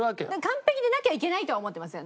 完璧でなきゃいけないとは思ってますよ